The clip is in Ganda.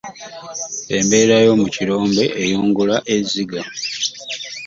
Embeera yo mukirombe eyungula ezziga.